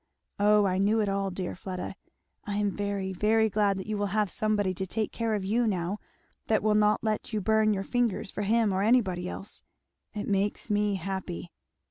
Oh I knew it all, dear Fleda. I am very, very glad that you will have somebody to take care of you now that will not let you burn your fingers for him or anybody else. It makes me happy!"